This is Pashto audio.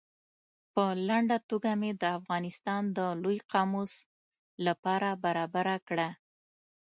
په لنډه توګه مې د افغانستان د لوی قاموس له پاره برابره کړه.